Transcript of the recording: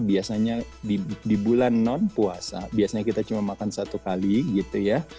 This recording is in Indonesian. biasanya di bulan non puasa biasanya kita cuma makan satu kali gitu ya